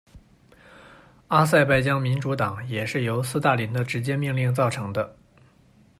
阿塞拜疆民主党也是由斯大林的直接命令造成的。